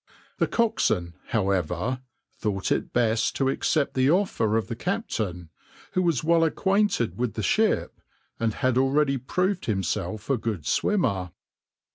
The coxswain, however, thought it best to accept the offer of the captain, who was well acquainted with the ship, and had already proved himself a good swimmer.